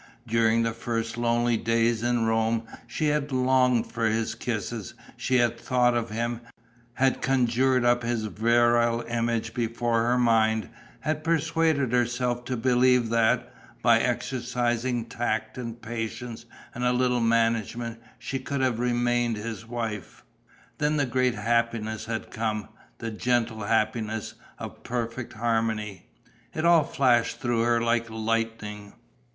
During the first lonely days in Rome, she had longed for his kisses, she had thought of him, had conjured up his virile image before her mind, had persuaded herself to believe that, by exercising tact and patience and a little management, she could have remained his wife.... Then the great happiness had come, the gentle happiness of perfect harmony!... It all flashed through her like lightning.